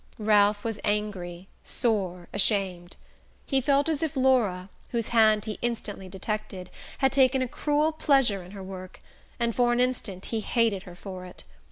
Ralph was angry, sore, ashamed. He felt as if Laura, whose hand he instantly detected, had taken a cruel pleasure in her work, and for an instant he hated her for it.